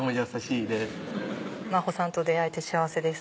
「真帆さんと出会えて幸せです」